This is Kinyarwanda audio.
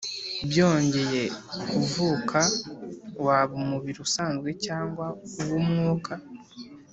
bwongeye kuvuka, waba umubiri usanzwe cyangwa uw’umwuka.